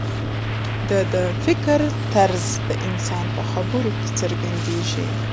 د فکر طرز د انسان په خبرو کې څرګندېږي.